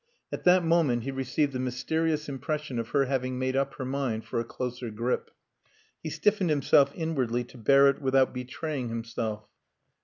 At that moment he received the mysterious impression of her having made up her mind for a closer grip. He stiffened himself inwardly to bear it without betraying himself.